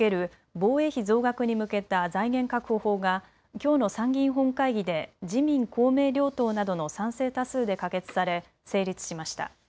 防衛費増額に向けた財源確保法がきょうの参議院本会議で自民公明両党などの賛成多数で可決され、成立しました。